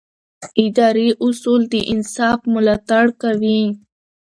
اداري اصول د انصاف ملاتړ کوي.